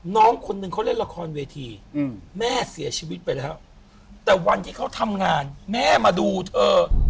น้องคนนึงเขาเล่นละครเวทีแม่เสียชีวิตไปแล้วแต่วันที่เขาทำงานแม่มาดูเธอ